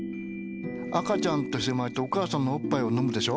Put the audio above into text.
赤ちゃんとして生まれてお母さんのおっぱいを飲むでしょ？